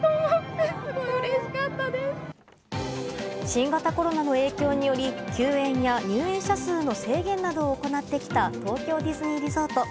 新型コロナの影響により休園や入園者数の制限などを行ってきた東京ディズニーリゾート。